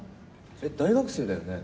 えっ大学生だよね？